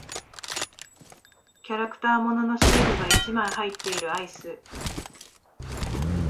キャラクター物のシールが一枚入っているアイス。